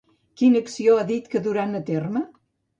Quina acció ha dit que duran a terme?